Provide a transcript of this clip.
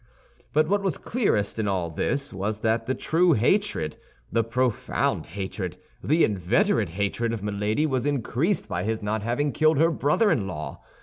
But what was clearest in all this was that the true hatred, the profound hatred, the inveterate hatred of Milady, was increased by his not having killed her brother in law.